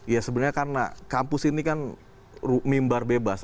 ya sebenarnya karena kampus ini kan mimbar bebas